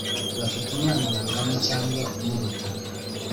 Bafite umwana bangana cyangwa umuruta.